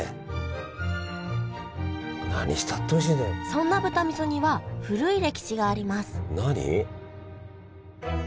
そんな豚味噌には古い歴史があります何？